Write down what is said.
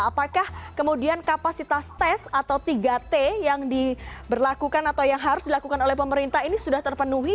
apakah kemudian kapasitas tes atau tiga t yang diberlakukan atau yang harus dilakukan oleh pemerintah ini sudah terpenuhi